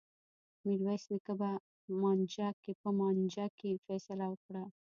میرويس نیکه په مانجه کي فيصله وکړه.